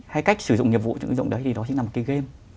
hay cách sử dụng nghiệp vụ trong ứng dụng đấy thì đó chính là một cái game